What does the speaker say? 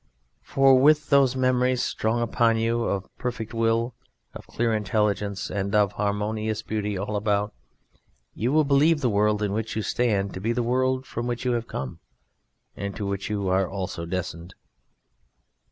For with those memories strong upon you of perfect will, of clear intelligence, and of harmonious beauty all about, you will believe the world in which you stand to be the world from which you have come and to which you are also destined.